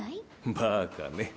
バカね。